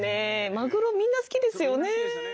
マグロみんな好きですよね。